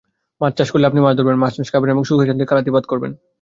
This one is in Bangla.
মাছ চাষ করলে আপনি মাছ ধরবেন, মাছ খাবেন এবং সুখে-শান্তিতে কালাতিপাত করবেন।